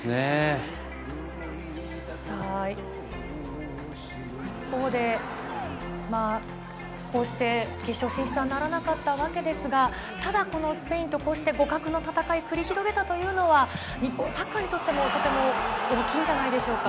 さあ、一方で、こうして決勝進出はなりませんでしたが、ただ、このスペインとこうして互角の戦い繰り広げたというのは、日本サッカーにとっても、とても大きいんじゃないでしょうか。